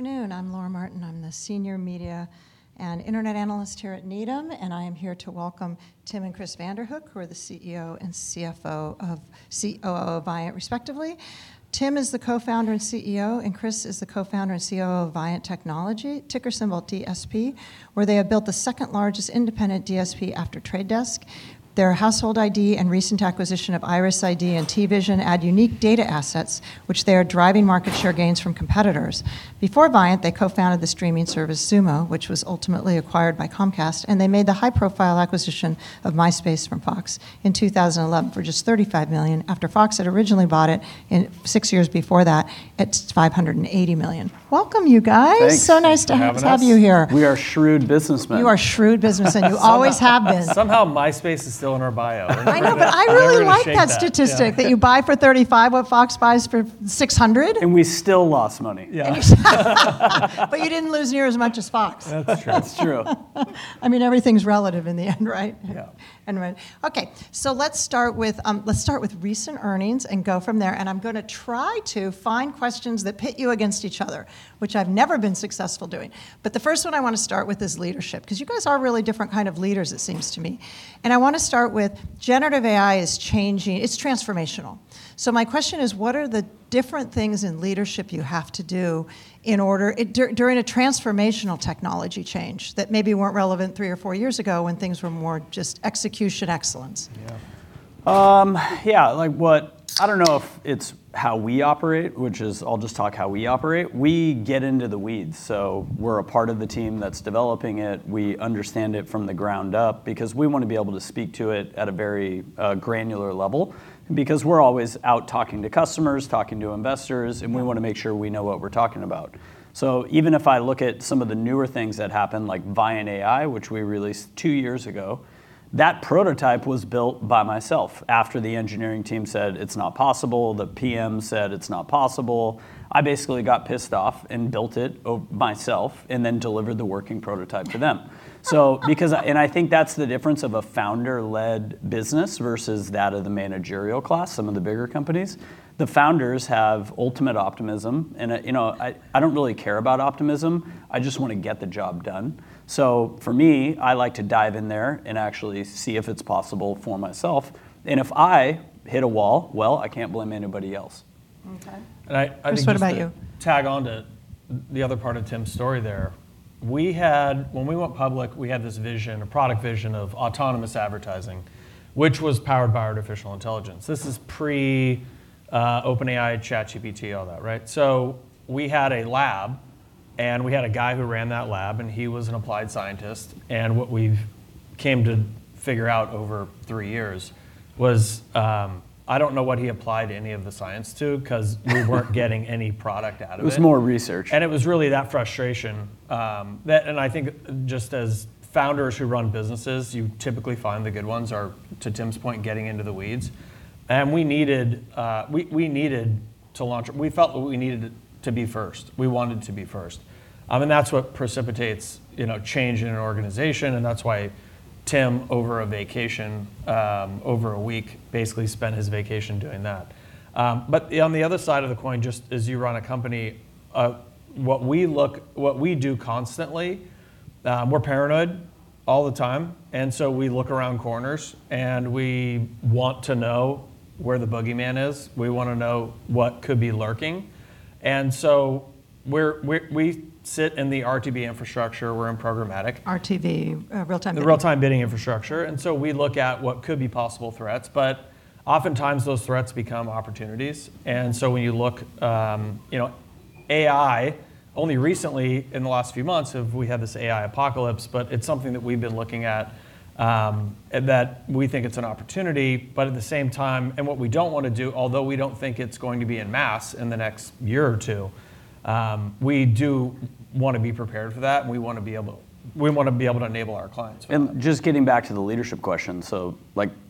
Afternoon. I'm Laura Martin. I'm the senior media and internet analyst here at Needham, and I am here to welcome Tim and Chris Vanderhook, who are the CEO and CFO of Viant respectively. Tim is the co-founder and CEO, and Chris is the co-founder and COO of Viant Technology, ticker symbol DSP, where they have built the second largest independent DSP after Trade Desk. Their Household ID and recent acquisition of IRIS ID and TVision add unique data assets, which they are driving market share gains from competitors. Before Viant, they co-founded the streaming service Xumo, which was ultimately acquired by Comcast, and they made the high-profile acquisition of Myspace from Fox in 2011 for just $35 million after Fox had originally bought it six years before that at $580 million. Welcome you guys. Thanks. So nice to- Thanks for having us have you here. We are shrewd businessmen. You are a shrewd businessman. You always have been. Somehow MySpace is still in our bio. I know, but I really like that statistic. We're going to change that. Yeah. That you buy for $35 what Fox buys for $600. We still lost money. Yeah. You didn't lose near as much as Fox. That's true. That's true. Everything's relative in the end, right? Yeah. Anyway. Okay, let's start with recent earnings and go from there, and I'm going to try to find questions that pit you against each other, which I've never been successful doing. The first one I want to start with is leadership, because you guys are really different kind of leaders it seems to me. I want to start with generative AI is changing, it's transformational. My question is, what are the different things in leadership you have to do during a transformational technology change that maybe weren't relevant three or four years ago when things were more just execution excellence? Yeah. I don't know if it's how we operate, which is I'll just talk how we operate. We get into the weeds. We're a part of the team that's developing it. We understand it from the ground up because we want to be able to speak to it at a very granular level because we're always out talking to customers, talking to investors. Yeah. We want to make sure we know what we're talking about. Even if I look at some of the newer things that happen, like ViantAI, which we released 2 years ago. That prototype was built by myself after the engineering team said it's not possible, the PM said it's not possible. I basically got pissed off and built it myself and then delivered the working prototype to them. I think that's the difference of a founder-led business versus that of the managerial class, some of the bigger companies. The founders have ultimate optimism and I don't really care about optimism. I just want to get the job done. For me, I like to dive in there and actually see if it's possible for myself. If I hit a wall, well, I can't blame anybody else. Okay. I. Chris, what about you? just to tag onto the other part of Tim's story there. When we went public, we had this vision, a product vision of autonomous advertising, which was powered by artificial intelligence. This is pre-OpenAI, ChatGPT, all that, right? We had a lab, and we had a guy who ran that lab, and he was an applied scientist. What we've came to figure out over three years was, I don't know what he applied any of the science to because we weren't getting any product out of it. It was more research. It was really that frustration. I think just as founders who run businesses, you typically find the good ones are, to Tim's point, getting into the weeds. We felt that we needed to be first. We wanted to be first. That's what precipitates change in an organization, and that's why Tim, over a week, basically spent his vacation doing that. On the other side of the coin, just as you run a company, what we do constantly, we're paranoid all the time, we look around corners, and we want to know where the boogeyman is. We want to know what could be lurking. We sit in the RTB infrastructure. We're in programmatic. RTB, real-time bidding. The real-time bidding infrastructure. We look at what could be possible threats. Oftentimes those threats become opportunities. When you look, AI, only recently in the last few months have we had this AI apocalypse, but it's something that we've been looking at, that we think it's an opportunity. At the same time, what we don't want to do, although we don't think it's going to be en masse in the next year or two, we do want to be prepared for that. We want to be able to enable our clients for that. Just getting back to the leadership question.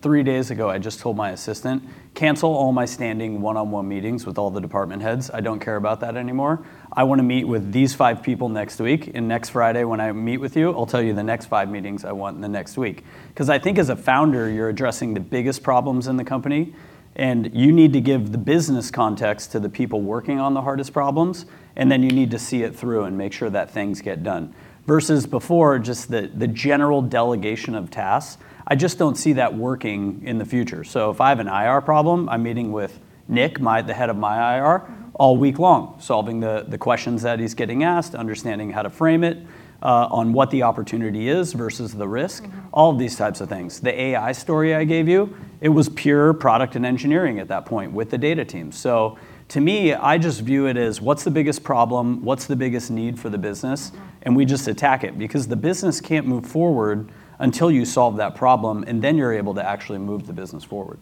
Three days ago, I just told my assistant, "Cancel all my standing one-on-one meetings with all the department heads. I don't care about that anymore. I want to meet with these five people next week, and next Friday when I meet with you, I'll tell you the next five meetings I want in the next week." I think as a founder, you're addressing the biggest problems in the company. You need to give the business context to the people working on the hardest problems. You need to see it through and make sure that things get done. Versus before, just the general delegation of tasks. I just don't see that working in the future. If I have an IR problem, I'm meeting with Nick, the head of my IR all week long. Solving the questions that he's getting asked, understanding how to frame it, on what the opportunity is versus the risk. All of these types of things. The AI story I gave you, it was pure product and engineering at that point with the data team. To me, I just view it as what's the biggest problem? What's the biggest need for the business? We just attack it because the business can't move forward until you solve that problem, and then you're able to actually move the business forward.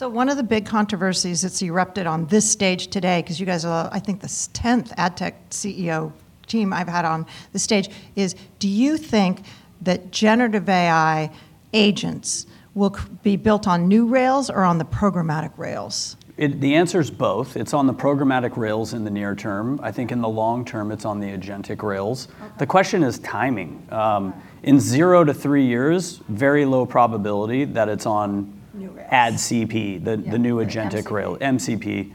One of the big controversies that's erupted on this stage today, because you guys are, I think, the 10th AdTech CEO team I've had on the stage is, do you think that generative AI agents will be built on new rails or on the programmatic rails? The answer's both. It's on the programmatic rails in the near term. I think in the long term, it's on the agentic rails. Okay. The question is timing. In zero to three years, very low probability that it's on AdCP, the new agentic rail. Yeah, MCP MCP.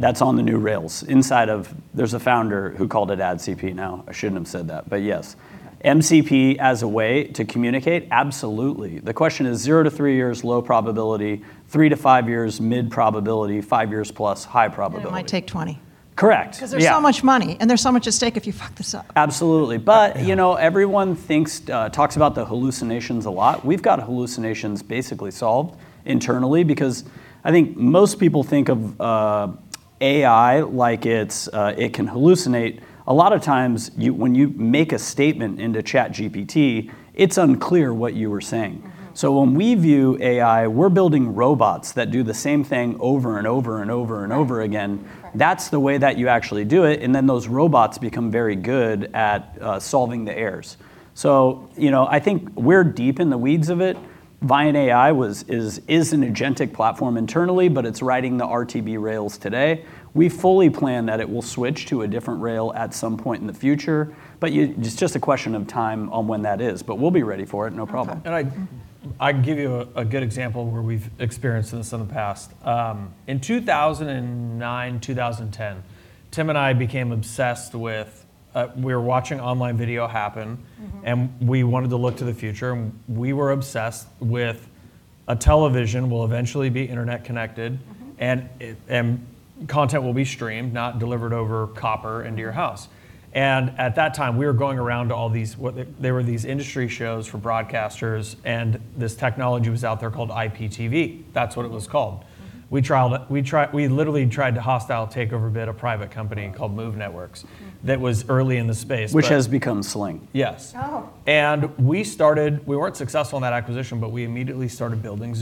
That's on the new rails inside of There's a founder who called it AdCP. Now, I shouldn't have said that, yes. MCP as a way to communicate, absolutely. The question is 0-3 years, low probability, 3-5 years, mid-probability, 5 years plus, high probability. It might take 20. Correct. Yeah. There's so much money, there's so much at stake if you this up. Absolutely. Everyone talks about the hallucinations a lot. We've got hallucinations basically solved internally because I think most people think of AI like it can hallucinate. A lot of times when you make a statement into ChatGPT, it's unclear what you were saying. When we view AI, we're building robots that do the same thing over and over and over and over again. Right. That's the way that you actually do it, then those robots become very good at solving the errors. I think we're deep in the weeds of it. ViantAI is an agentic platform internally, it's riding the RTB rails today. We fully plan that it will switch to a different rail at some point in the future, it's just a question of time on when that is, we'll be ready for it, no problem. Okay. I can give you a good example of where we've experienced this in the past. In 2009, 2010, Tim and I became obsessed with We were watching online video happen- We wanted to look to the future, we were obsessed with a television will eventually be internet connected- Content will be streamed, not delivered over copper into your house. At that time, we were going around to all these industry shows for broadcasters, this technology was out there called IPTV. That's what it was called. We literally tried to hostile takeover-bid a private company called Move Networks- that was early in the space. Which has become Sling. Yes. Oh. We weren't successful in that acquisition, but we immediately started building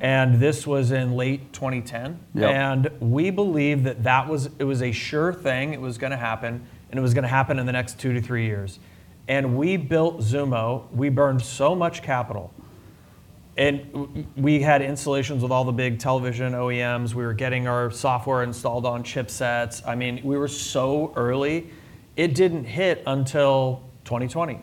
Xumo. This was in late 2010. Yep. We believed that it was a sure thing it was going to happen, and it was going to happen in the next two to three years. We built Xumo. We burned so much capital, and we had installations with all the big television OEMs. We were getting our software installed on chipsets. We were so early. It didn't hit until 2020.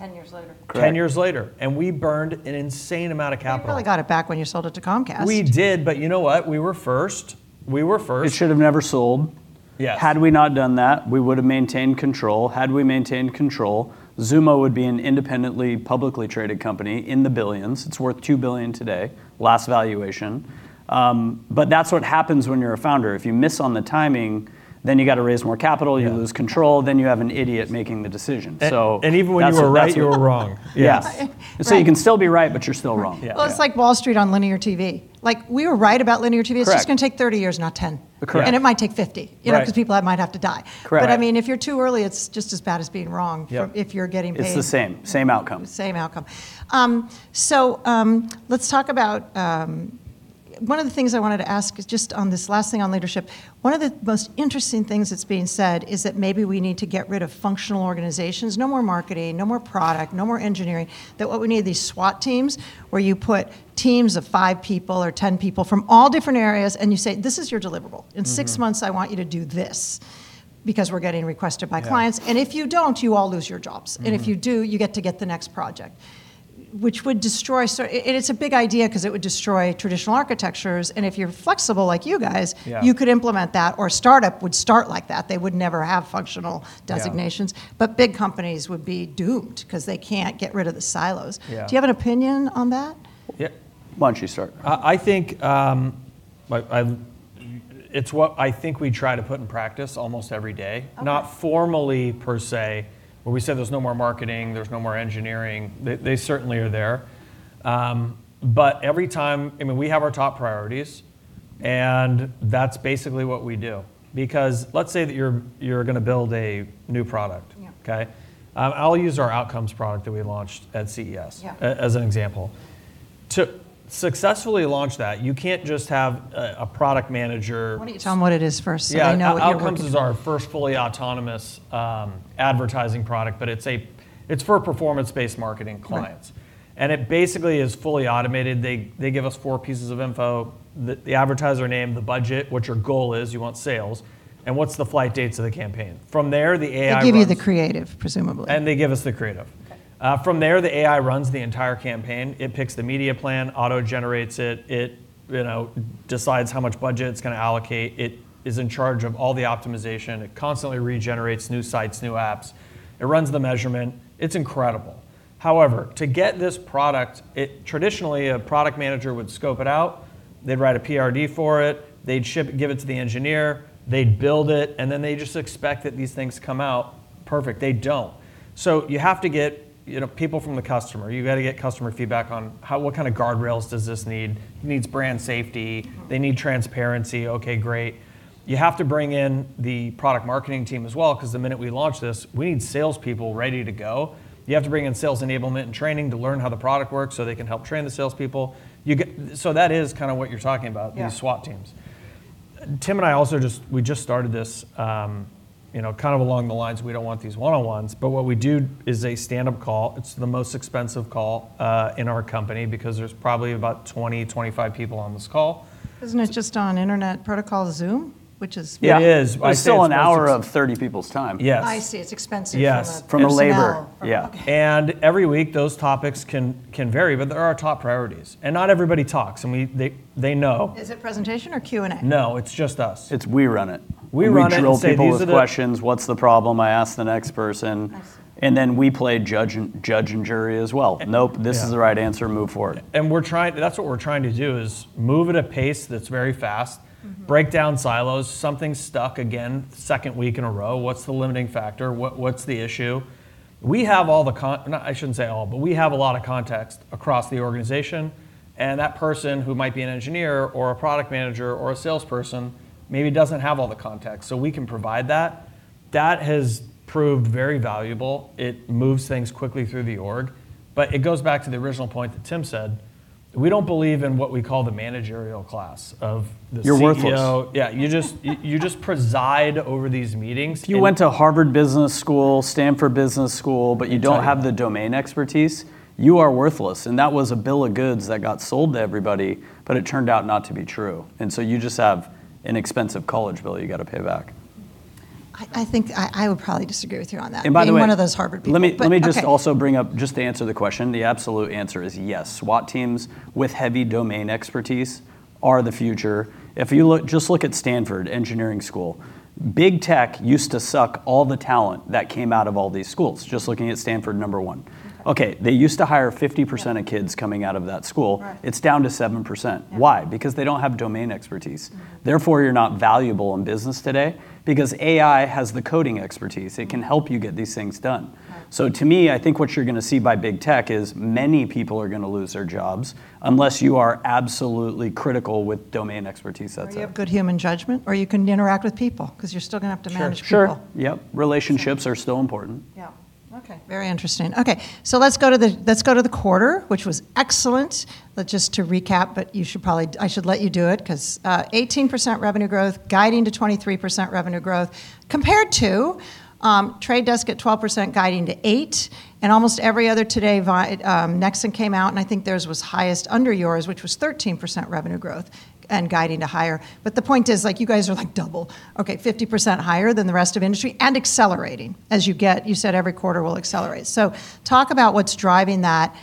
10 years later. Correct. 10 years later, we burned an insane amount of capital. Well, you probably got it back when you sold it to Comcast. We did. You know what? We were first. It should have never sold. Yes. Had we not done that, we would have maintained control. Had we maintained control, Xumo would be an independently, publicly traded company in the billions. It's worth $2 billion today, last valuation. That's what happens when you're a founder. If you miss on the timing, you've got to raise more capital. Yeah. You lose control, you have an idiot making the decision. That's it. Even when you were right, you were wrong. Yes. Right. You can still be right, but you're still wrong. Yeah. Well, it's like Wall Street on linear TV. We were right about linear TV. Correct. It's just going to take 30 years, not 10. Correct. It might take 50. Right. People might have to die. Correct. If you're too early, it's just as bad as being wrong. Yep if you're getting paid. It's the same. Same outcome. Same outcome. Let's talk about one of the things I wanted to ask, just on this last thing on leadership. One of the most interesting things that's being said is that maybe we need to get rid of functional organizations. No more marketing, no more product, no more engineering. That what we need are these SWAT teams, where you put teams of five people or 10 people from all different areas, and you say, "This is your deliverable. In six months, I want you to do this because we're getting requested by clients. Yeah. If you don't, you all lose your jobs. If you do, you get to get the next project." It's a big idea because it would destroy traditional architectures. Yeah you could implement that, or a startup would start like that. They would never have functional designations. Yeah. Big companies would be doomed because they can't get rid of the silos. Yeah. Do you have an opinion on that? Yeah. Why don't you start? It's what I think we try to put in practice almost every day. Okay. Not formally per se, where we say there's no more marketing, there's no more engineering. They certainly are there. Every time, we have our top priorities, and that's basically what we do. Let's say that you're going to build a new product. Yeah. Okay? I'll use our Outcomes product that we launched at CES- Yeah as an example. To successfully launch that, you can't just have a product manager. Why don't you tell them what it is first, so they know what you're working with? Yeah. Outcomes is our first fully autonomous advertising product, but it's for performance-based marketing clients. Right. It basically is fully automated. They give us four pieces of info, the advertiser name, the budget, what your goal is, you want sales, and what's the flight dates of the campaign? From there, the AI runs. They give you the creative, presumably. They give us the creative. Okay. From there, the AI runs the entire campaign. It picks the media plan, auto-generates it. It decides how much budget it's going to allocate. It is in charge of all the optimization. It constantly regenerates new sites, new apps. It runs the measurement. It's incredible. However, to get this product, traditionally, a product manager would scope it out, they'd write a PRD for it, they'd give it to the engineer, they'd build it, and then they just expect that these things come out perfect. They don't. You have to get people from the customer. You've got to get customer feedback on what kind of guardrails does this need? It needs brand safety. They need transparency. Okay, great. You have to bring in the product marketing team as well, because the minute we launch this, we need salespeople ready to go. You have to bring in sales enablement and training to learn how the product works so they can help train the salespeople. That is kind of what you're talking about. Yeah these SWAT teams. Tim and I also just started this kind of along the lines, we don't want these one-on-ones, but what we do is a standup call. It's the most expensive call in our company because there's probably about 20, 25 people on this call. Isn't it just on internet protocol Zoom? Which is free. It is. It's still an hour of 30 people's time. Yes. I see. It's expensive from. From a. personnel- Yeah. Okay. Every week, those topics can vary, but they're our top priorities. Not everybody talks, and they know. Is it presentation or Q&A? No, it's just us. It's we run it. We run it and say, "These are the- We drill people with questions. What's the problem? I ask the next person. I see. We play judge and jury as well. "Nope, this is the right answer. Move forward. That's what we're trying to do, is move at a pace that's very fast. Break down silos. Something's stuck again the second week in a row. What's the limiting factor? What's the issue? We have all the I shouldn't say all, but we have a lot of context across the organization, and that person, who might be an engineer or a product manager or a salesperson, maybe doesn't have all the context. We can provide that. That has proved very valuable. It moves things quickly through the org. It goes back to the original point that Tim said. We don't believe in what we call the managerial class of the CTO. You're worthless. Yeah. You just preside over these meetings. If you went to Harvard Business School, Stanford Business School, you don't have the domain expertise, you are worthless. That was a bill of goods that got sold to everybody, it turned out not to be true. You just have an expensive college bill you've got to pay back. I think I would probably disagree with you on that. By the way. Being one of those Harvard people. Okay. Let me just also bring up, just to answer the question, the absolute answer is yes. SWAT teams with heavy domain expertise are the future. Just look at Stanford Engineering School. Big Tech used to suck all the talent that came out of all these schools, just looking at Stanford, number one. Okay. They used to hire 50% of kids coming out of that school. Right. It's down to 7%. Yeah. Why? Because they don't have domain expertise. You're not valuable in business today because AI has the coding expertise. It can help you get these things done. Right. To me, I think what you're going to see by big tech is many people are going to lose their jobs, unless you are absolutely critical with domain expertise. That's it. You have good human judgment, or you can interact with people, because you're still going to have to manage people. Sure. Yep. Relationships are still important. Yeah. Okay. Very interesting. Let's go to the quarter, which was excellent. Just to recap, but I should let you do it because 18% revenue growth, guiding to 23% revenue growth, compared to The Trade Desk at 12% guiding to 8%, and almost every other today, Nexxen came out, and I think theirs was highest under yours, which was 13% revenue growth and guiding to higher. The point is, you guys are double, okay, 50% higher than the rest of industry and accelerating as you get, you said every quarter will accelerate. Talk about what's driving that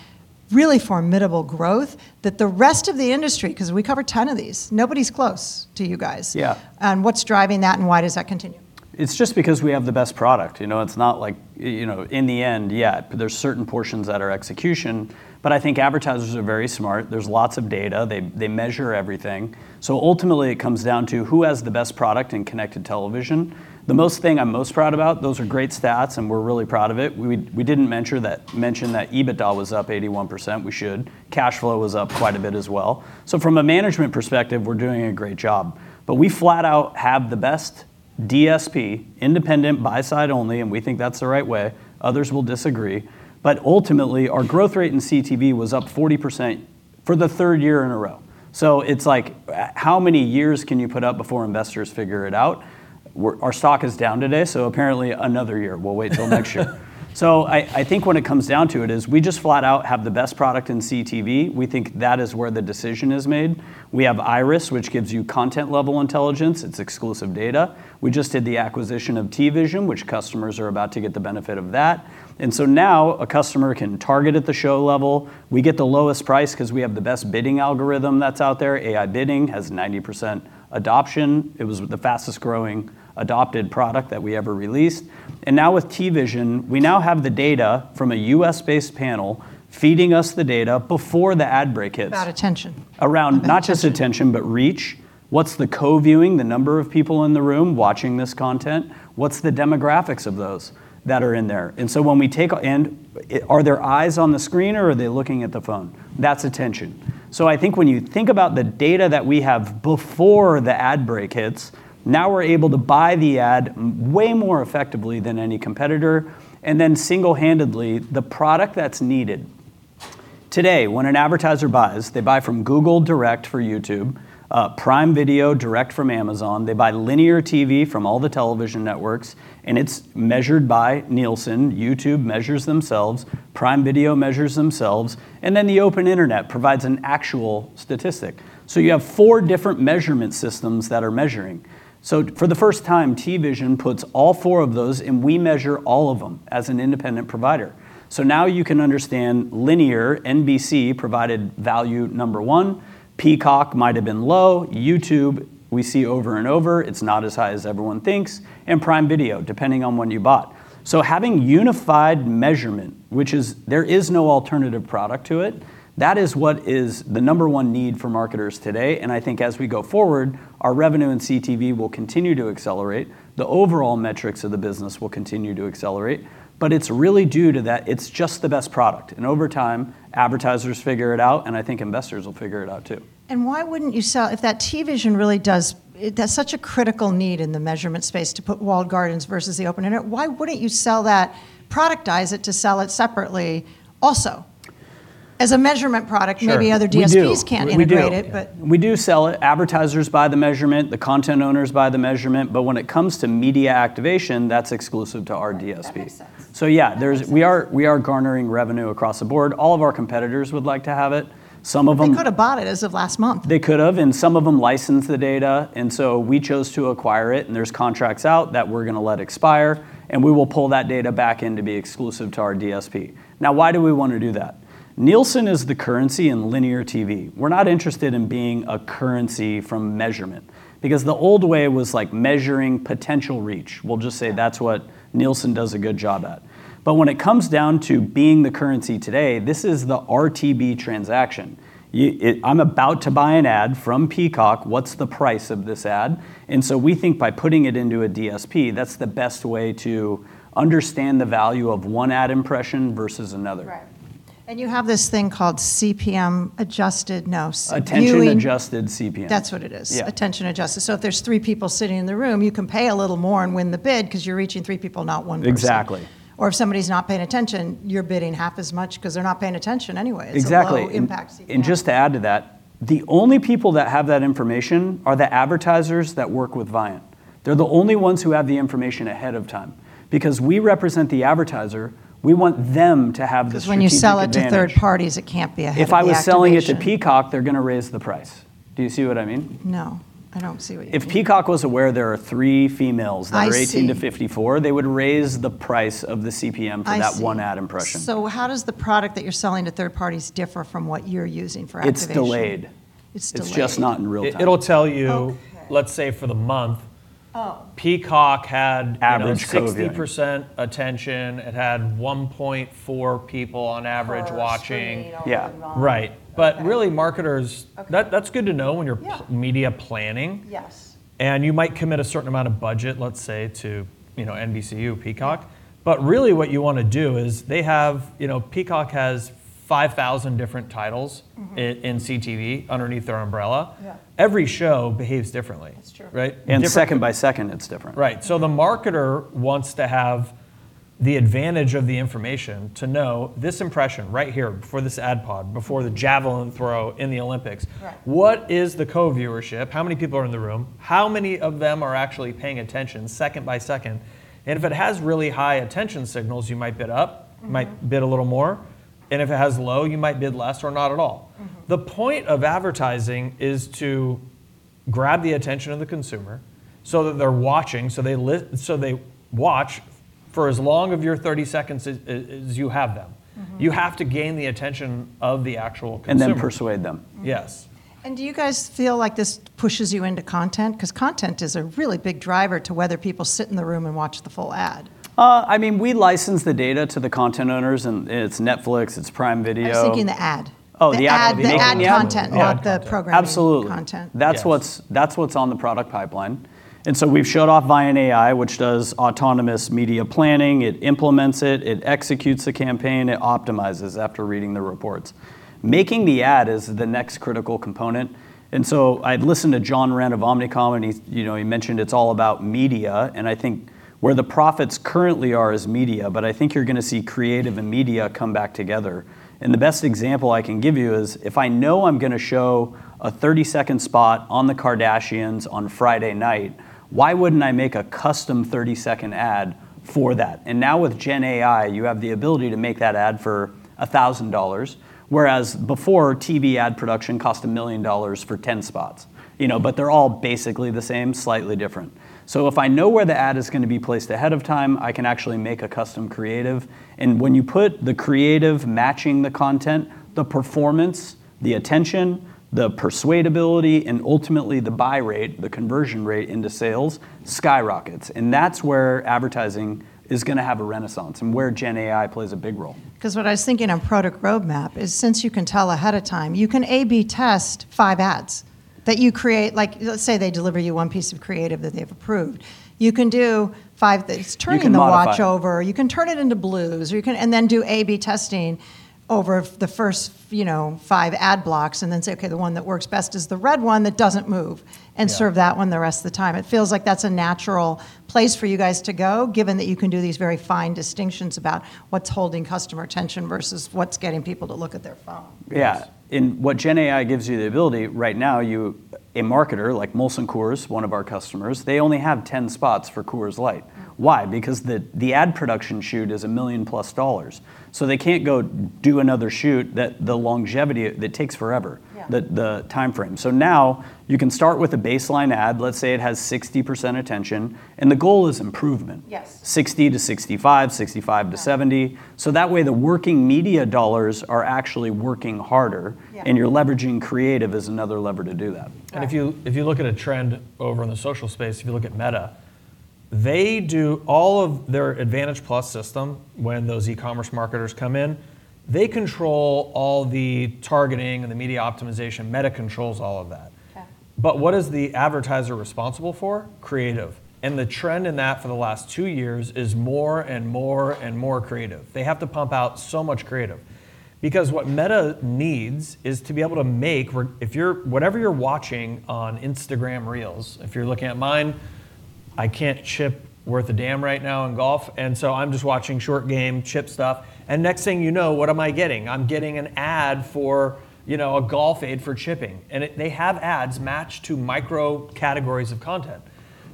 really formidable growth that the rest of the industry, because we cover 10 of these, nobody's close to you guys. Yeah. What's driving that, and why does that continue? It's just because we have the best product. It's not like in the end yet, but there's certain portions that are execution. I think advertisers are very smart. There's lots of data. They measure everything. Ultimately, it comes down to who has the best product in connected television. The most thing I'm most proud about, those are great stats, and we're really proud of it. We didn't mention that EBITDA was up 81%. We should. Cash flow was up quite a bit as well. From a management perspective, we're doing a great job. We flat out have the best DSP, independent, buy side only, and we think that's the right way. Others will disagree. Ultimately, our growth rate in CTV was up 40% for the third year in a row. It's like, how many years can you put up before investors figure it out? Our stock is down today, apparently another year. We'll wait till next year. I think when it comes down to it is we just flat out have the best product in CTV. We think that is where the decision is made. We have Iris, which gives you content-level intelligence. It's exclusive data. We just did the acquisition of TVision, which customers are about to get the benefit of that. Now a customer can target at the show level. We get the lowest price because we have the best bidding algorithm that's out there. AI Bidding has 90% adoption. It was the fastest-growing adopted product that we ever released. Now with TVision, we now have the data from a U.S.-based panel feeding us the data before the ad break hits. About attention. Around not just attention, but reach. What's the co-viewing, the number of people in the room watching this content? What's the demographics of those that are in there? Are there eyes on the screen, or are they looking at the phone? That's attention. I think when you think about the data that we have before the ad break hits, now we're able to buy the ad way more effectively than any competitor, then single-handedly, the product that's needed. Today, when an advertiser buys, they buy from Google Direct for YouTube, Prime Video direct from Amazon. They buy linear TV from all the television networks, and it's measured by Nielsen. YouTube measures themselves. Prime Video measures themselves. The open internet provides an actual statistic. You have four different measurement systems that are measuring. For the first time, TVision puts all four of those, we measure all of them as an independent provider. Now you can understand linear. NBC provided value number 1. Peacock might've been low. YouTube, we see over and over, it's not as high as everyone thinks. Prime Video, depending on when you bought. Having unified measurement, which is there is no alternative product to it, that is what is the number 1 need for marketers today. I think as we go forward, our revenue in CTV will continue to accelerate. The overall metrics of the business will continue to accelerate. But it's really due to that it's just the best product. Over time, advertisers figure it out, I think investors will figure it out, too. Why wouldn't you sell, if that TVision really does such a critical need in the measurement space to put walled gardens versus the open internet, why wouldn't you sell that, productize it to sell it separately also? As a measurement product. Sure Maybe other DSPs can integrate it, but. We do. We do sell it. Advertisers buy the measurement, the content owners buy the measurement. When it comes to media activation, that's exclusive to our DSP. That makes sense. Yeah. We are garnering revenue across the board. All of our competitors would like to have it. They could've bought it as of last month. They could've, and some of them licensed the data. We chose to acquire it, and there's contracts out that we're going to let expire, and we will pull that data back in to be exclusive to our DSP. Now, why do we want to do that? Nielsen is the currency in linear TV. We're not interested in being a currency from measurement. The old way was measuring potential reach. We'll just say that's what Nielsen does a good job at. When it comes down to being the currency today, this is the RTB transaction. I'm about to buy an ad from Peacock. What's the price of this ad? We think by putting it into a DSP, that's the best way to understand the value of one ad impression versus another. Right. You have this thing called CPM adjusted. Attention-Adjusted CPM. That's what it is. Yeah. Attention-Adjusted. If there's three people sitting in the room, you can pay a little more and win the bid because you're reaching three people, not one person. Exactly. If somebody's not paying attention, you're bidding half as much because they're not paying attention anyway. Exactly. It's a low impact CPM. Just to add to that, the only people that have that information are the advertisers that work with Viant. They're the only ones who have the information ahead of time. We represent the advertiser, we want them to have the strategic advantage. When you sell it to third parties, it can't be ahead of the activation. If I was selling it to Peacock, they're going to raise the price. Do you see what I mean? No. I don't see what you mean. If Peacock was aware there are three females I see are 18 to 54, they would raise the price of the CPM for that one ad impression. I see. How does the product that you're selling to third parties differ from what you're using for activation? It's delayed. It's delayed. It's just not in real time. It'll tell you. Okay Let's say for the month. Oh Peacock had. Average co-viewing 60% attention. It had 1.4 people on average watching. Per screen, all that involved. Right. Really, marketers. Okay. That's good to know when you're. Yeah media planning. Yes. You might commit a certain amount of budget, let's say, to NBCUniversal Peacock. But really what you want to do is, Peacock has 5,000 different titles. in CTV underneath their umbrella. Yeah. Every show behaves differently. That's true. Right? Second by second, it's different. Right. The marketer wants to have the advantage of the information to know this impression right here, before this ad pod, before the javelin throw in the Olympics. Right What is the co-viewership? How many people are in the room? How many of them are actually paying attention second by second? If it has really high attention signals, you might bid up. You might bid a little more. If it has low, you might bid less or not at all. The point of advertising is to grab the attention of the consumer so that they're watching, so they watch for as long of your 30 seconds as you have them. You have to gain the attention of the actual consumer. Persuade them. Yes. Do you guys feel like this pushes you into content? Because content is a really big driver to whether people sit in the room and watch the full ad. We license the data to the content owners and it's Netflix, it's Prime Video. I was thinking the ad. the ad. The ad content, not the programming. Absolutely content. That's what's on the product pipeline. we've showed off ViantAI, which does autonomous media planning. It implements it executes the campaign, it optimizes after reading the reports. Making the ad is the next critical component. I'd listen to John Wren of Omnicom, and he mentioned it's all about media, and I think where the profits currently are is media, but I think you're going to see creative and media come back together. the best example I can give you is if I know I'm going to show a 30-second spot on "The Kardashians" on Friday night, why wouldn't I make a custom 30-second ad for that? now with GenAI, you have the ability to make that ad for $1,000, whereas before, TV ad production cost $1 million for 10 spots. they're all basically the same, slightly different. if I know where the ad is going to be placed ahead of time, I can actually make a custom creative. when you put the creative matching the content, the performance, the attention, the persuadability, and ultimately the buy rate, the conversion rate into sales skyrockets, and that's where advertising is going to have a renaissance and where GenAI plays a big role. What I was thinking on product roadmap is since you can tell ahead of time, you can A/B test five ads that you create. Let's say they deliver you one piece of creative that they've approved. You can do five things. You can modify. Turning the watch over, you can turn it into blues, then do A/B testing over the first five ad blocks then say, "Okay, the one that works best is the red one that doesn't move. Yeah. Serve that one the rest of the time. It feels like that's a natural place for you guys to go, given that you can do these very fine distinctions about what's holding customer attention versus what's getting people to look at their phone. Yeah. What GenAI gives you the ability right now, a marketer like Molson Coors, one of our customers, they only have 10 spots for Coors Light. Why? Because the ad production shoot is $1 million plus dollars. They can't go do another shoot. The longevity, it takes forever. Yeah The timeframe. Now you can start with a baseline ad. Let's say it has 60% attention, and the goal is improvement. Yes. 60%-65%, 65%-70%. That way, the working media dollars are actually working harder. Yeah. You're leveraging creative as another lever to do that. If you look at a trend over in the social space, if you look at Meta, they do all of their Advantage+ system when those e-commerce marketers come in. They control all the targeting and the media optimization. Meta controls all of that. Okay. What is the advertiser responsible for? Creative. The trend in that for the last two years is more and more and more creative. They have to pump out so much creative. What Meta needs is to be able to make, whatever you're watching on Instagram Reels, if you're looking at mine I can't chip worth a damn right now in golf, I'm just watching short game chip stuff, next thing you know, what am I getting? I'm getting an ad for a golf aid for chipping. They have ads matched to micro-categories of content.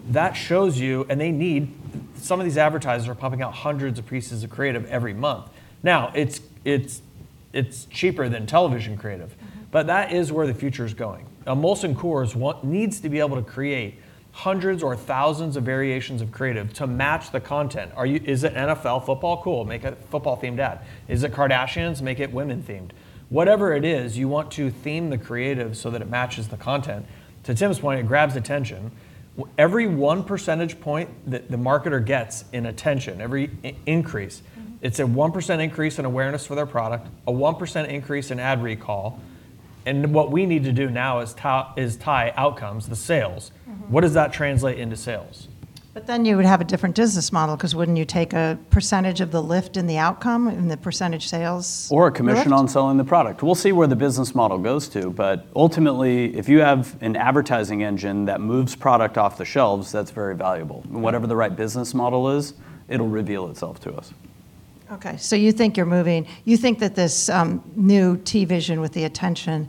That shows you. Some of these advertisers are pumping out hundreds of pieces of creative every month. It's cheaper than television creative. That is where the future is going. A Molson Coors needs to be able to create hundreds or thousands of variations of creative to match the content. Is it NFL football? Cool. Make a football-themed ad. Is it Kardashians? Make it women-themed. Whatever it is, you want to theme the creative so that it matches the content. To Tim's point, it grabs attention. Every one percentage point that the marketer gets in attention, every increase- it's a 1% increase in awareness for their product, a 1% increase in ad recall, and what we need to do now is tie Outcomes, the sales. What does that translate into sales? You would have a different business model because wouldn't you take a percentage of the lift in the outcome and the percentage sales lift? A commission on selling the product. We'll see where the business model goes to, but ultimately, if you have an advertising engine that moves product off the shelves, that's very valuable. Whatever the right business model is, it'll reveal itself to us. Okay, you think you're moving. You think that this new TVision with the attention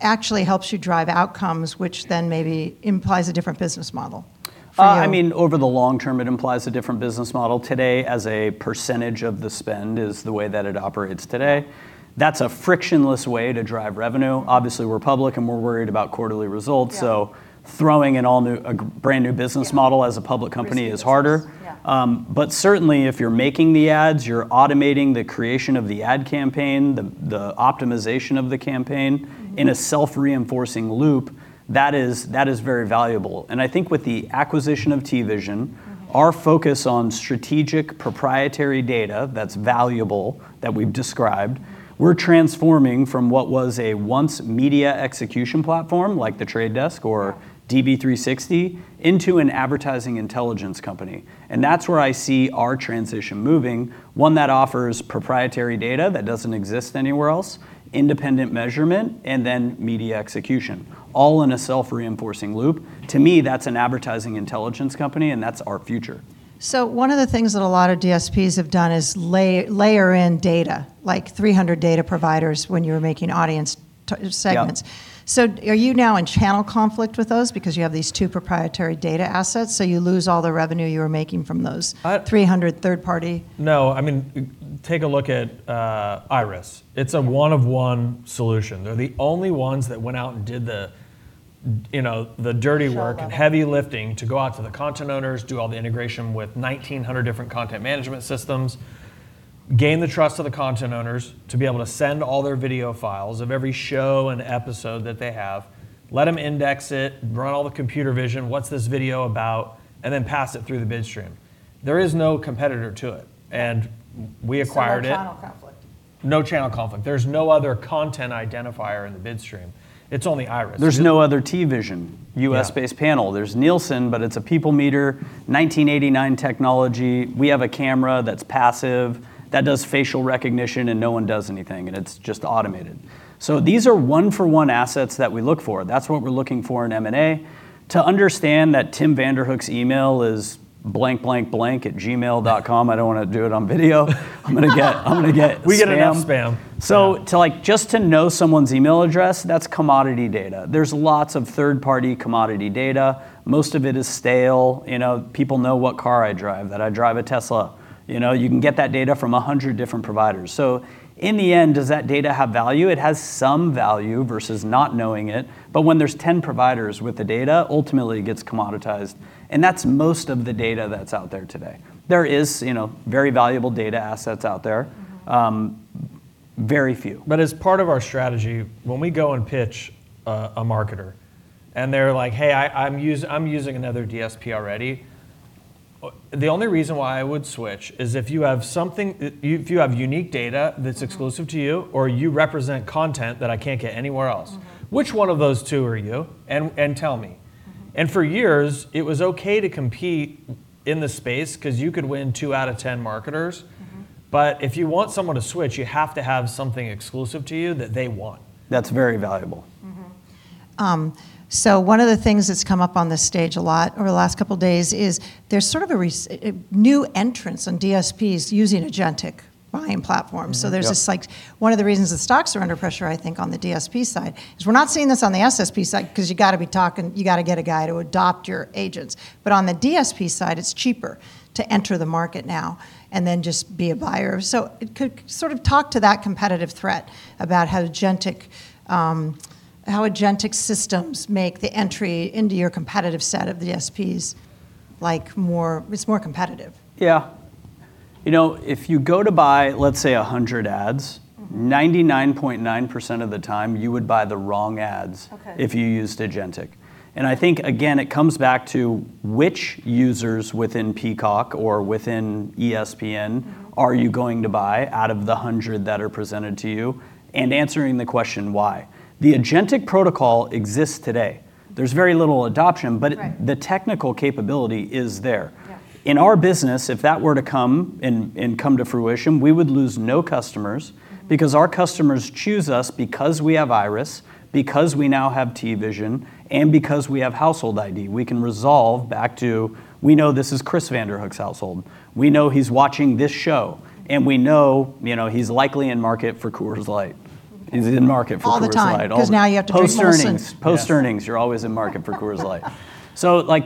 actually helps you drive Outcomes which then maybe implies a different business model for you? Over the long term, it implies a different business model. Today, as a percentage of the spend is the way that it operates today. That's a frictionless way to drive revenue. Obviously, we're public, and we're worried about quarterly results- Yeah throwing a brand-new business model- Yeah as a public company is harder. Risky business, yeah. Certainly, if you're making the ads, you're automating the creation of the ad campaign, the optimization of the campaign. In a self-reinforcing loop. That is very valuable. I think with the acquisition of TVision. Our focus on strategic proprietary data that's valuable, that we've described, we're transforming from what was a once media execution platform, like The Trade Desk or DV360, into an advertising intelligence company. That's where I see our transition moving, one that offers proprietary data that doesn't exist anywhere else, independent measurement, and then media execution, all in a self-reinforcing loop. To me, that's an advertising intelligence company, and that's our future. One of the things that a lot of DSPs have done is layer in data, like 300 data providers when you're making audience segments. Yeah. Are you now in channel conflict with those because you have these two proprietary data assets, so you lose all the revenue you were making from those. I- 300 third party? No. Take a look at IRIS.TV. It's a one-of-one solution. They're the only ones that went out and did the dirty work. Show level heavy lifting to go out to the content owners, do all the integration with 1,900 different content management systems, gain the trust of the content owners to be able to send all their video files of every show and episode that they have, let them index it, run all the computer vision, what's this video about, and then pass it through the bid stream. There is no competitor to it, and we acquired it. No channel conflict? No channel conflict. There's no other content identifier in the bid stream. It's only IRIS.TV. There's no other TVision. Yeah U.S.-based panel. There's Nielsen, but it's a people meter, 1989 technology. We have a camera that's passive that does facial recognition, and no one does anything, and it's just automated. These are one-for-one assets that we look for. That's what we're looking for in M&A. To understand that Tim Vanderhook's email is blank blank blank @gmail.com. I don't want to do it on video. I'm going to get spam. We get enough spam. Just to know someone's email address, that's commodity data. There's lots of third-party commodity data. Most of it is stale. People know what car I drive, that I drive a Tesla. You can get that data from 100 different providers. In the end, does that data have value? It has some value versus not knowing it. When there's 10 providers with the data, ultimately, it gets commoditized, and that's most of the data that's out there today. There is very valuable data assets out there. Very few. As part of our strategy, when we go and pitch a marketer, and they're like, "Hey, I'm using another DSP already. The only reason why I would switch is if you have unique data that's exclusive to you, or you represent content that I can't get anywhere else. Which one of those two are you? Tell me. For years, it was okay to compete in the space because you could win two out of 10 marketers. If you want someone to switch, you have to have something exclusive to you that they want. That's very valuable. One of the things that's come up on this stage a lot over the last couple of days is there's sort of a new entrance on DSPs using agentic buying platforms. Yeah. There's this One of the reasons the stocks are under pressure, I think, on the DSP side is we're not seeing this on the SSP side because you got to get a guy to adopt your agents. On the DSP side, it's cheaper to enter the market now and then just be a buyer. Sort of talk to that competitive threat about how agentic systems make the entry into your competitive set of DSPs more competitive. Yeah. If you go to buy, let's say, 100 ads- 99.9% of the time, you would buy the wrong ads- Okay if you used agentic. I think, again, it comes back to which users within Peacock or within ESPN- are you going to buy out of the 100 that are presented to you, and answering the question why. The agentic protocol exists today. There's very little adoption. Right. The technical capability is there. Yeah. In our business, if that were to come and come to fruition, we would lose no customers because our customers choose us because we have IRIS.TV, because we now have TVision, and because we have Household ID. We can resolve back to we know this is Chris Vanderhook's household. We know he's watching this show, and we know he's likely in market for Coors Light. He's in market for Coors Light all the time. All the time, because now you have to drink Molson. Post earnings. Yes. Post earnings, you're always in market for Coors Light.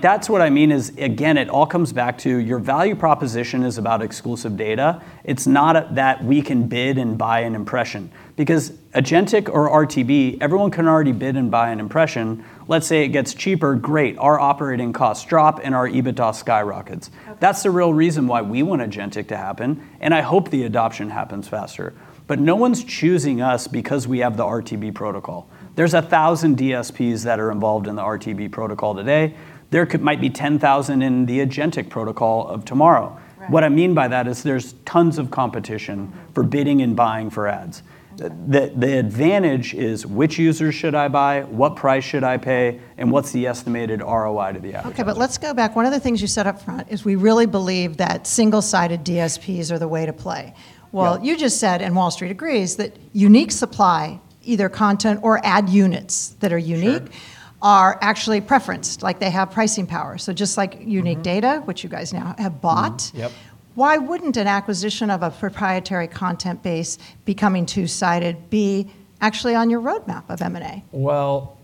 That's what I mean is, again, it all comes back to your value proposition is about exclusive data. It's not that we can bid and buy an impression. Because agentic or RTB, everyone can already bid and buy an impression. Let's say it gets cheaper, great. Our operating costs drop and our EBITDA skyrockets. Okay. That's the real reason why we want agentic to happen, and I hope the adoption happens faster. No one's choosing us because we have the RTB protocol. There's 1,000 DSPs that are involved in the RTB protocol today. There could might be 10,000 in the agentic protocol of tomorrow. Right. What I mean by that is there's tons of competition for bidding and buying for ads. The advantage is which users should I buy, what price should I pay, and what's the estimated ROI to the advertiser? Let's go back. One of the things you said up front is we really believe that single-sided DSPs are the way to play. Yeah. Well, you just said, Wall Street agrees, that unique supply, either content or ad units that are unique- Sure are actually preferenced, like they have pricing power. Just like unique data, which you guys now have bought. Mm-hmm. Yep. Why wouldn't an acquisition of a proprietary content base becoming two-sided be actually on your roadmap of M&A? Well,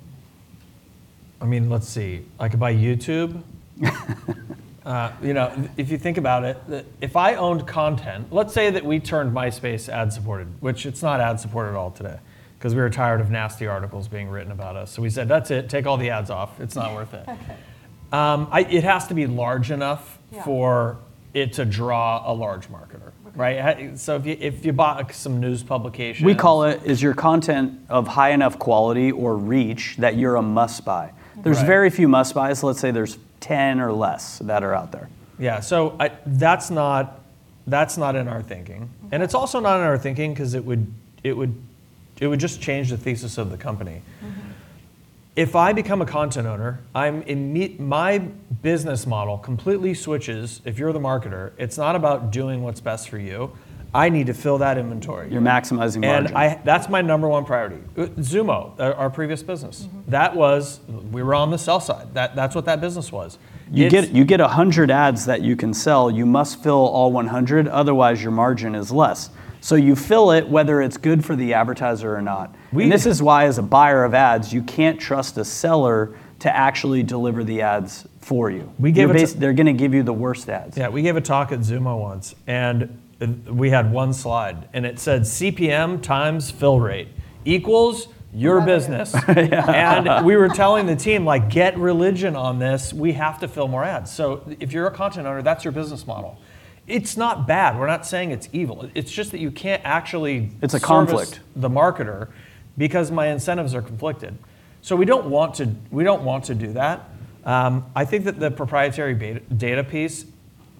let's see, like by YouTube? If you think about it, if I owned content, let's say that we turned MySpace ad-supported, which it's not ad-supported at all today because we were tired of nasty articles being written about us. We said, "That's it. Take all the ads off. It's not worth it. Okay. It has to be large enough Yeah for it to draw a large marketer. Okay. If you bought some news publication We call it, is your content of high enough quality or reach that you're a must-buy. Right. There's very few must-buys. Let's say there's 10 or less that are out there. Yeah. That's not in our thinking. It's also not in our thinking because it would just change the thesis of the company. If I become a content owner, my business model completely switches. If you're the marketer, it's not about doing what's best for you. I need to fill that inventory. You're maximizing margin. That's my number one priority. Xumo, our previous business. We were on the sell side. That's what that business was. You get 100 ads that you can sell. You must fill all 100, otherwise your margin is less. You fill it whether it's good for the advertiser or not. We- This is why, as a buyer of ads, you can't trust a seller to actually deliver the ads for you. We give. They're going to give you the worst ads. Yeah. We gave a talk at Xumo once, and we had one slide, and it said, "CPM times fill rate equals your business. Your business. We were telling the team, like, "Get religion on this. We have to fill more ads." If you're a content owner, that's your business model. It's not bad. We're not saying it's evil. It's just that you can't actually- It's a conflict service the marketer because my incentives are conflicted. We don't want to do that. I think that the proprietary data piece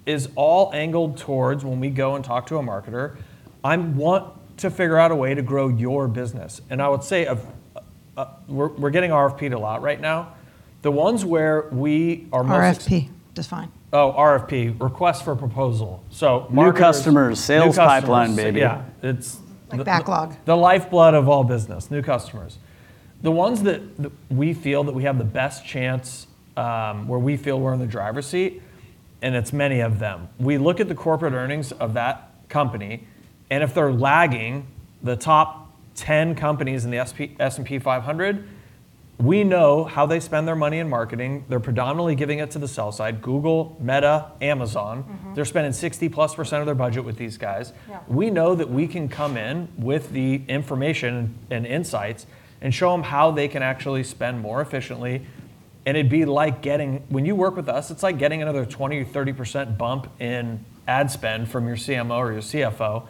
is all angled towards when we go and talk to a marketer, I want to figure out a way to grow your business. I would say we're getting RFP'd a lot right now. The ones where we are most- RFP. Define. Oh, RFP, request for proposal. marketers- New customers, sales pipeline, baby new customers. Yeah. It's- Like backlog. The lifeblood of all business, new customers. The ones that we feel that we have the best chance, where we feel we're in the driver's seat, and it's many of them. We look at the corporate earnings of that company, and if they're lagging the top 10 companies in the S&P 500, we know how they spend their money in marketing. They're predominantly giving it to the sell side, Google, Meta, Amazon. They're spending 60+% of their budget with these guys. Yeah. We know that we can come in with the information and insights and show them how they can actually spend more efficiently, and it'd be like getting. When you work with us, it's like getting another 20% or 30% bump in ad spend from your CMO or your CFO,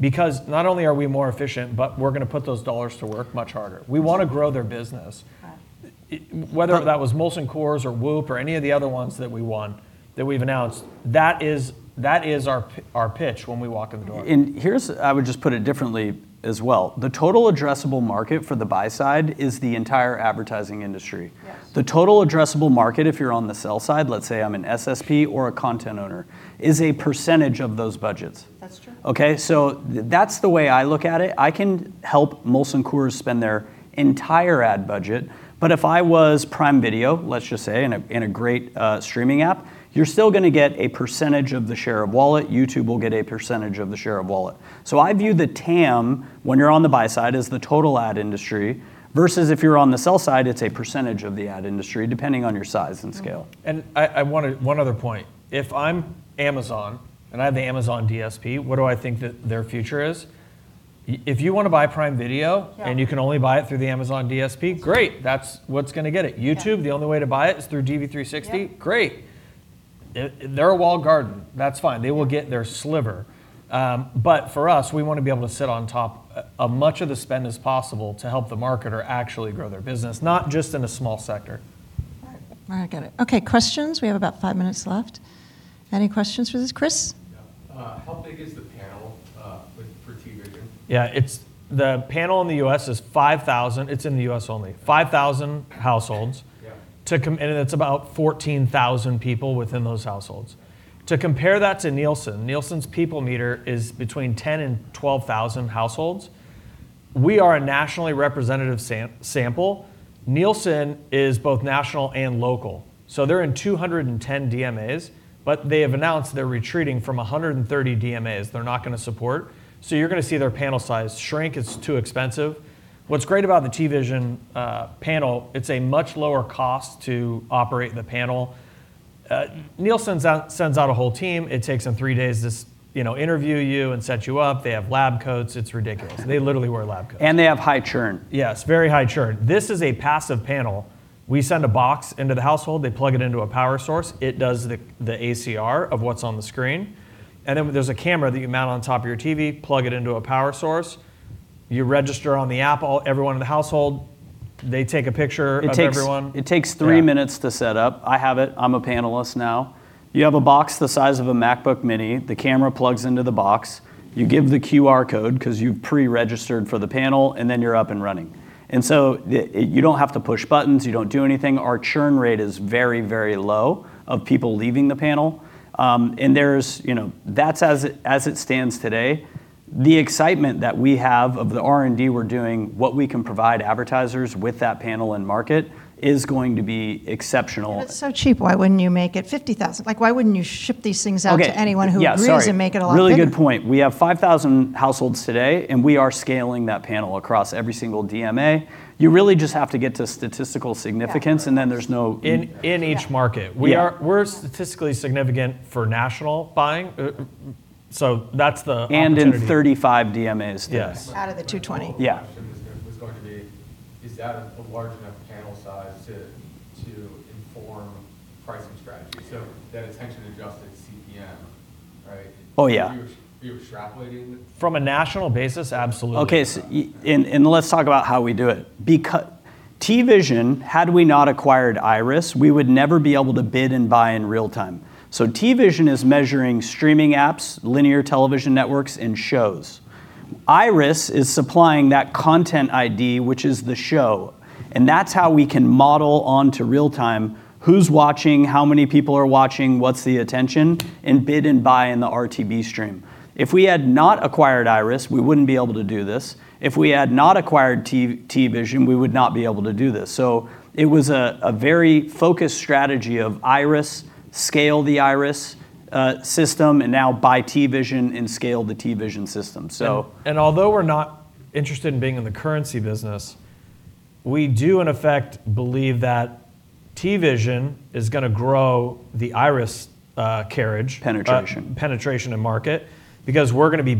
because not only are we more efficient, but we're going to put those dollars to work much harder. We want to grow their business. Okay. Whether that was Molson Coors or Whoop or any of the other ones that we won that we've announced, that is our pitch when we walk in the door. I would just put it differently as well. The total addressable market for the buy side is the entire advertising industry. Yes. The total addressable market if you're on the sell side, let's say I'm an SSP or a content owner, is a percentage of those budgets. That's true. Okay. That's the way I look at it. I can help Molson Coors spend their entire ad budget, but if I was Prime Video, let's just say, and a great streaming app, you're still going to get a percentage of the share of wallet. YouTube will get a percentage of the share of wallet. I view the TAM when you're on the buy side as the total ad industry versus if you're on the sell side, it's a percentage of the ad industry, depending on your size and scale. One other point. If I'm Amazon and I have the Amazon DSP, what do I think that their future is? If you want to buy Prime Video Yeah You can only buy it through the Amazon DSP, great. That's what's going to get it. Yeah. YouTube, the only way to buy it is through DV360. Yeah. Great. They're a walled garden. That's fine. They will get their sliver. For us, we want to be able to sit on top of much of the spend as possible to help the marketer actually grow their business, not just in a small sector. All right. I get it. Okay, questions? We have about five minutes left. Any questions for this? Chris? Yeah. How big is the Yeah. The panel in the U.S. is 5,000. It's in the U.S. only. 5,000 households. Yeah. It's about 14,000 people within those households. To compare that to Nielsen's people meter is between 10,000 and 12,000 households. We are a nationally representative sample. Nielsen is both national and local, so they're in 210 DMAs, but they have announced they're retreating from 130 DMAs they're not going to support. You're going to see their panel size shrink. It's too expensive. What's great about the TVision panel, it's a much lower cost to operate the panel. Nielsen sends out a whole team. It takes them three days to interview you and set you up. They have lab coats. It's ridiculous. They literally wear lab coats. They have high churn. Yes, very high churn. This is a passive panel. We send a box into the household. They plug it into a power source. It does the ACR of what's on the screen, and then there's a camera that you mount on top of your TV, plug it into a power source. You register on the app, everyone in the household, they take a picture of everyone. It takes three minutes to set up. I have it. I'm a panelist now. You have a box the size of a Mac mini. The camera plugs into the box. You give the QR code because you pre-registered for the panel, you're up and running. You don't have to push buttons. You don't do anything. Our churn rate is very low of people leaving the panel. That's as it stands today. The excitement that we have of the R&D we're doing, what we can provide advertisers with that panel and market is going to be exceptional. If it's so cheap, why wouldn't you make it 50,000? Why wouldn't you ship these things out to anyone who agrees- Okay. Yeah, sorry Make it a lot bigger? Really good point. We have 5,000 households today, and we are scaling that panel across every single DMA. You really just have to get to statistical significance, and then there's no- In each market. Yeah. We're statistically significant for national buying. That's the opportunity. In 35 DMAs. Yes. Out of the 220. Yeah. My follow-up question was going to be, is that a large enough panel size to inform pricing strategy? That Attention-Adjusted CPM, right? Yeah. Are you extrapolating? From a national basis, absolutely. Okay. Let's talk about how we do it. TVision, had we not acquired IRIS.TV, we would never be able to bid and buy in real time. TVision is measuring streaming apps, linear television networks and shows. IRIS.TV is supplying that content ID, which is the show, and that's how we can model onto real time who's watching, how many people are watching, what's the attention, and bid and buy in the RTB stream. If we had not acquired IRIS.TV, we wouldn't be able to do this. If we had not acquired TVision, we would not be able to do this. It was a very focused strategy of IRIS.TV, scale the IRIS.TV system, and now buy TVision and scale the TVision system. Although we're not interested in being in the currency business, we do in effect believe that TVision is going to grow the IRIS.TV carriage. Penetration. Penetration and market because we're going to be.